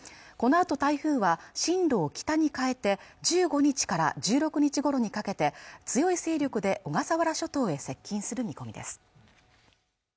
このあと台風は進路を北に変えて１５日から１６日ごろにかけて強い勢力で小笠原諸島へ接近する見込みです